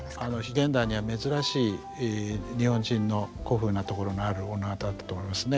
現代には珍しい日本人の古風なところのある女方だったと思いますね。